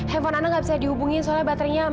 telepon ana gak bisa dihubungin soalnya baterainya mati